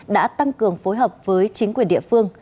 đã tăng cường phối hợp với chính quyền địa phương